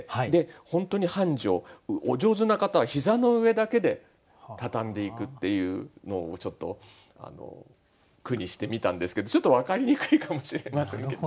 本当に半畳お上手な方は膝の上だけでたたんでいくっていうのをちょっと句にしてみたんですけどちょっと分かりにくいかもしれませんけど。